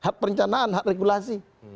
kencanaan hak regulasi